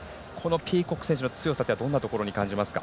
ピーコック選手の強さってどんなところに感じますか？